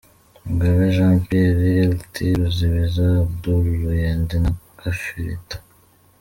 Mugabe Jean Pierre, Lt. Ruzibiza Abdoul, Ruyenzi na Gafirita